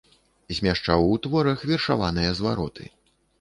Змяшчаў у творах вершаваныя звароты.